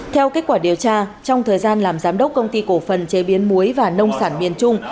theo kết quả điều tra trong thời gian làm giám đốc công ty cổ phần chế biến muối và nông sản miền trung